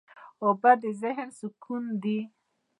اوبه د ذهن سکون دي.